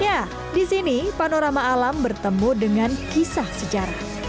ya di sini panorama alam bertemu dengan kisah sejarah